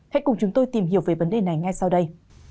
hãy cùng chúng tôi tìm hiểu về vấn đề này ngay sau đây